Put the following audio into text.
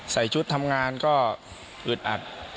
ใส่ชุดทำงานก็อึดอัด